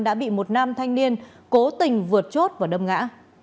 đã bị một nam thanh niên cố tình vượt chốt và đâm ngã